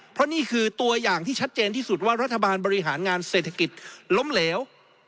เพราะนี่คือตัวอย่างที่ชัดเจนที่สุดว่ารัฐบาลบริหารงานเศรษฐกิจล้มเหลว